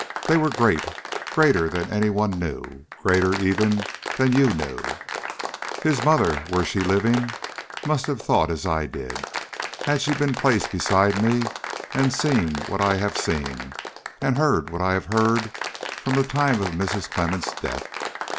They were great, greater than any one knew, greater even than you knew. His mother were she living must have thought as I did, had she been placed beside me and seen what I have seen, and heard what I have heard from the time of Mrs. Clemmens' death.